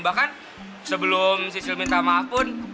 bahkan sebelum cicil minta maaf pun